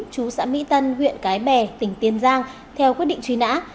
chú xã mỹ tân huyện cái bè tỉnh tiên giang theo quyết định truy nã